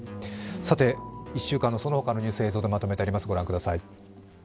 さて、１週間のその他のニュース映像でまとめてあります。